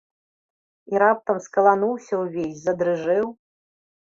І раптам скалануўся ўвесь, задрыжэў.